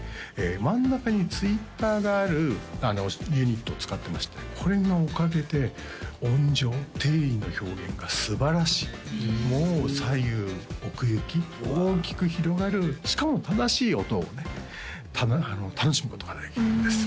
真ん中にツイーターがあるユニットを使ってましてこれのおかげで音場定位の表現がすばらしいもう左右奥行き大きく広がるしかも正しい音をね楽しむことができるんです